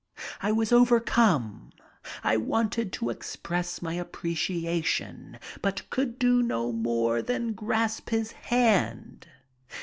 I was overcome. I wanted to express my appreciation, but could do no more than grasp his hand.